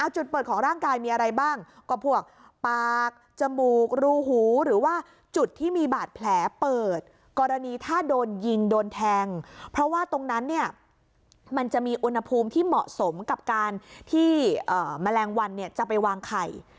จุดเปิดของร่างกายมีอะไรบ้างก็พวกปากจมูกรูหูหรือว่าจุดที่มีบาดแผลเปิดกรณีถ้าโดนยิงโดนแทงเพราะว่าตรงนั้นเนี่ยมันจะมีอุณหภูมิที่เหมาะสมกับการที่แมลงวันเนี่ยจะไปวางไข่